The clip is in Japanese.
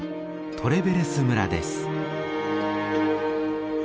トレベレス村です。